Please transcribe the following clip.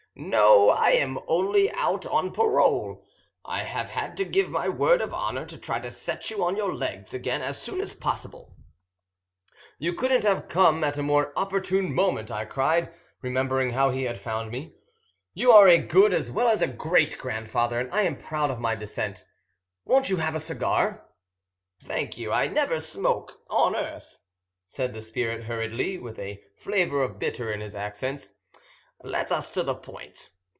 "No, I am only out on parole. I have had to give my word of honour to try to set you on your legs again as soon as possible." "You couldn't have come at a more opportune moment," I cried, remembering how he had found me. "You are a good as well as a great grandfather, and I am proud of my descent. Won't you have a cigar?" "Thank you, I never smoke on earth," said the spirit hurriedly, with a flavour of bitter in his accents. "Let us to the point.